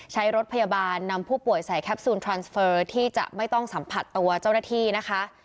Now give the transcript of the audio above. ใช้รถพยาบาลนำผู้ป่วยใส่แคปซูลทรานสเฟอร์ที่จะไม่ต้องสัมผัสตัวเจ้าหน้าที่นะคะ